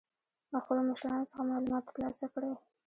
له خپلو مشرانو څخه معلومات تر لاسه کړئ.